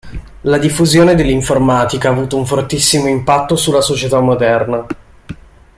La diffusione dell'informatica ha avuto un fortissimo impatto sulla società moderna.